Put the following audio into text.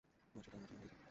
না, সেটা আমার জন্য হয়েছে।